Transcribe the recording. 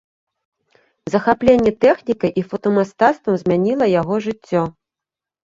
Захапленне тэхнікай і фотамастацтвам змяніла яго жыццё.